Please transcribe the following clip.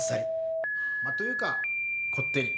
というかこってり。